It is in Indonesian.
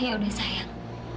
ya udah sayang